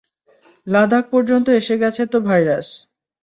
লাদাখ পর্যন্ত এসে গেছে তো ভাইরাস।